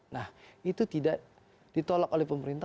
nah itu tidak ditolak oleh pemerintah